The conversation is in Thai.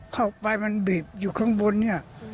เข้าไปมันบีบอยู่ข้างบนเนี่ย